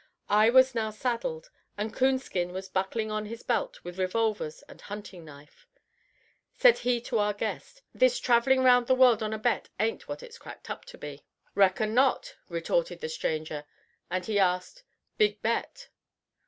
I was now saddled, and Coonskin was buckling on his belt with revolvers and hunting knife. Said he to our guest, "This traveling round the world on a bet ain't what it's cracked up to be." "Reckon not," returned the stranger. And he asked, "Big bet."